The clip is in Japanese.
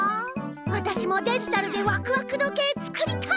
わたしもデジタルでわくわく時計作りたい！